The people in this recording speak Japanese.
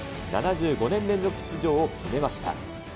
７５年連続出場を決めました。